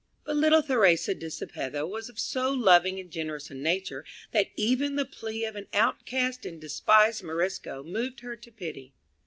But little Theresa de Cepeda was of so loving and generous a nature that even the plea of an outcast and despised Morisco moved her to pity.